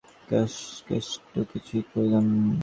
কেষ্ট কিছুই কইলনা।